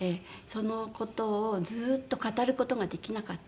その事をずっと語る事ができなかったし。